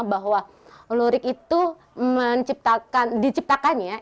bahwa lurik itu diciptakannya